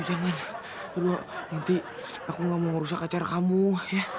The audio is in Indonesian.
aduh nanti aku nggak mau ngerusak acara kamu ya